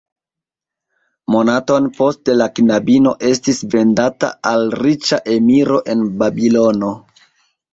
Monaton poste la knabino estis vendata al riĉa emiro en Babilono.